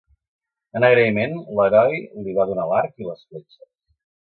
En agraïment, l'heroi li va donar l'arc i les fletxes.